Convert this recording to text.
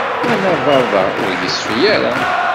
Anabaḍ-a ur yeṣfi ara.